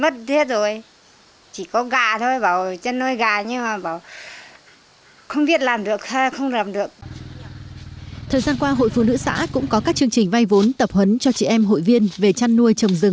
thời gian qua hội phụ nữ xã cũng có các chương trình vay vốn tập huấn cho chị em hội viên về chăn nuôi trồng rừng